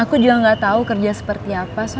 aku juga gak tau kerja seperti apa son